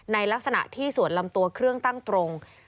ในลักษณะที่ส่วนลำตัวเครื่องตั้งตรง